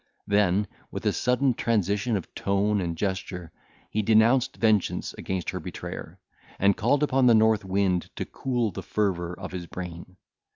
Then, with a sudden transition of tone and gesture, he denounced vengeance against her betrayer, and called upon the north wind to cool the fervour of his brain.